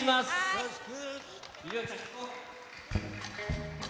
よろしく。